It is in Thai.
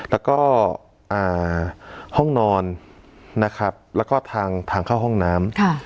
แล้วก็ห้องนอนนะครับแล้วก็ทางเข้าห้องน้ำ